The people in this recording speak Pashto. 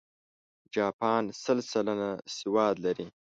جاپان سل سلنه سواد لري.